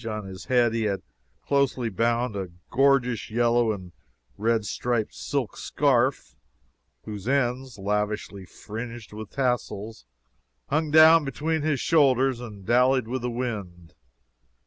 On his head he had closely bound a gorgeous yellow and red striped silk scarf, whose ends, lavishly fringed with tassels, hung down between his shoulders and dallied with the wind.